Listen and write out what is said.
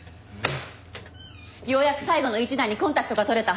ようやく最後の１台にコンタクトが取れた。